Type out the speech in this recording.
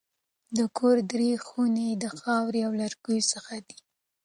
د کور درې خونې د خاورو او لرګیو څخه دي.